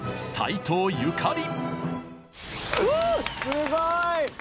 すごい！